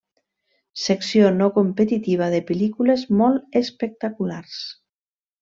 Secció no competitiva de pel·lícules molt espectaculars.